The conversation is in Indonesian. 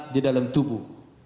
di dalam tubuh